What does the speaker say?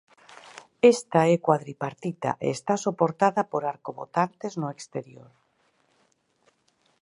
Esta é cuadripartita e está soportada por arcobotantes no exterior.